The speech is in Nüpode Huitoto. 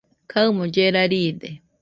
kaɨmo llera riide